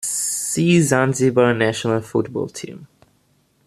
See "Zanzibar national football team".